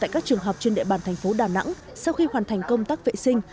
tại các trường học trên địa bàn thành phố đà nẵng sau khi hoàn thành công tác vệ sinh